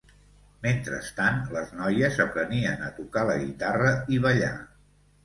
Mentrestant, les noies aprenien a tocar la guitarra i ballar.